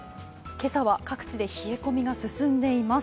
今朝は各地で冷え込みが進んでいます。